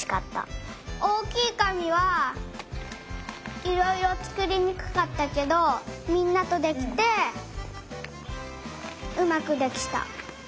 おおきいかみはいろいろつくりにくかったけどみんなとできてうまくできた。